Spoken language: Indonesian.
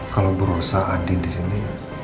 kalau berusaha andin disini